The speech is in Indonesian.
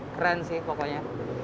keren sih pokoknya